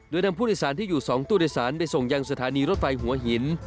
โดยนำผู้โดยสารที่อยู่๒ตู้โดยสารไปส่งยังสถานีรถไฟหัวหิน